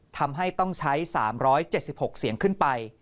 ทำให้ต้องใช้๓๗๖เสียงขึ้นไป